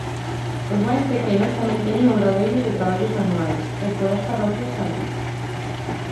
Os máis pequenos tamén teñen obradoiros de traballos manuais, e polas parroquias tamén.